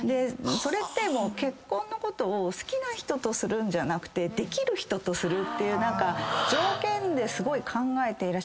それってもう結婚のことを好きな人とするんじゃなくてできる人とするっていう何か条件ですごい考えて。